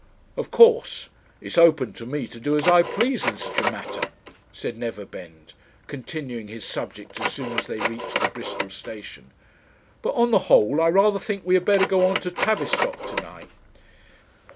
'Of course, it's open to me to do as I please in such a matter,' said Neverbend, continuing his subject as soon as they reached the Bristol station, 'but on the whole I rather think we had better go on to Tavistock to night.'